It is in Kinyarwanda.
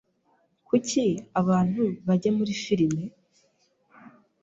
Kuki abantu bajya muri firime?